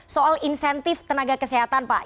soal insentif tenaga kesehatan pak